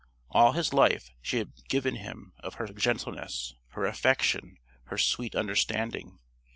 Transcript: All his life she had given him of her gentleness, her affection, her sweet understanding.